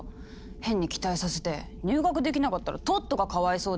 変に期待させて入学できなかったらトットがかわいそうです。